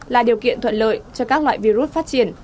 là điều kiện thuận lợi cho các loại virus phát triển